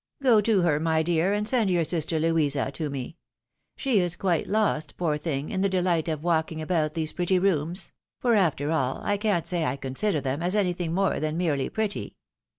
"Go to her, my dear, and send your sister Louisa to me. She is quite lost, poor thing, in the delight of walking about these pretty rooms — ^ibr after all, I can't say I consider them as anything more than merely pretty.